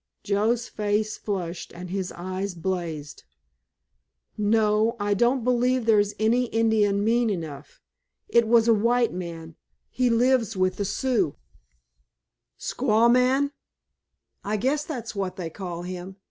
Joe's face flushed and his eyes blazed. "No, I don't believe there's any Indian mean enough. It was a white man. He lives with the Sioux——" "Squaw man?" "I guess that's what they call him.